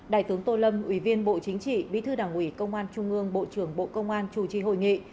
đại tướng tô lâm ủy viên bộ chính trị bí thư đảng ủy công an trung ương bộ trưởng bộ công an chủ trì hội nghị